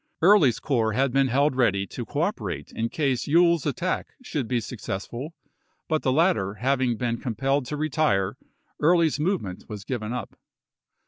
Early's corps had been held ready to cooperate in case Ewell's attack should be success ful ; but the latter having been compelled to retire, Early's movement was given up.